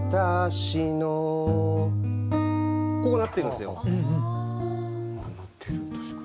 こうなってるんですよ。